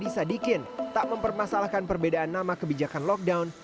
pak bisa dikin tak mempermasalahkan perbedaan nama kebijakan lockdown